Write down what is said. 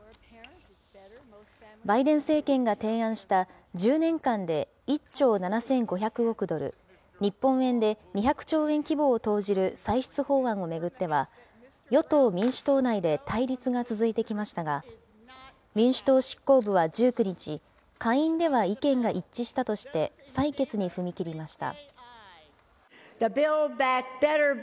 バイデン政権が提案した、１０年間で１兆７５００億ドル、日本円で２００兆円規模を投じる歳出法案を巡っては、与党・民主党内で対立が続いてきましたが、民主党執行部は１９日、下院では意見が一致したとして、採決に踏み切りました。